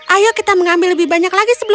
ayo kita mengambil lebih banyak lagi